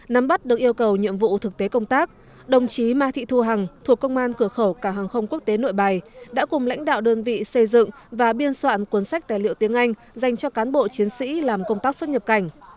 nắm bắt được yêu cầu nhiệm vụ thực tế công tác đồng chí ma thị thu hằng thuộc công an cửa khẩu cả hàng không quốc tế nội bài đã cùng lãnh đạo đơn vị xây dựng và biên soạn cuốn sách tài liệu tiếng anh dành cho cán bộ chiến sĩ làm công tác xuất nhập cảnh